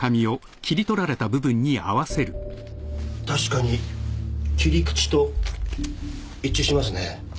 確かに切り口と一致しますね。